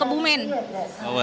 tujuannya ke mana